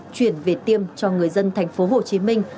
chuyển về tiêm cho người dân thành phố hồ chí minh